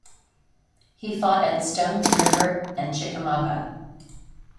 He fought at Stones River and Chickamauga.